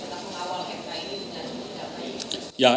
supaya kita mengawal mk ini dengan berdampak